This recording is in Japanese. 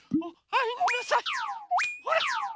はい！